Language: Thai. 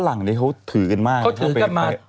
หลังนี้เขาถือกันมากเขาถือกันมาก